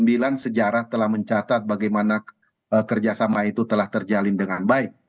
dan dua ribu sembilan sejarah telah mencatat bagaimana kerjasama itu telah terjalin dengan baik